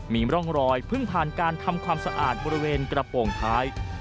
มีร่องรอยเพิ่งผ่านการทำความสะอาดบริเวณกระโปรงท้าย